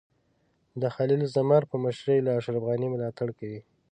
د خلیل زمر په مشرۍ له اشرف غني ملاتړ کوي.